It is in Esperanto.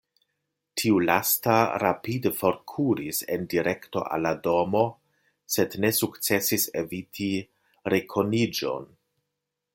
Tiu lasta rapide forkuris en direkto al la domo, sed ne sukcesis eviti rekoniĝon.